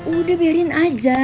udah biarin aja